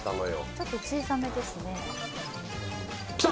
ちょっと小さめですねきた！